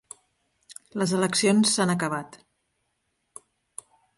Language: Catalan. …les eleccions s’han acabat.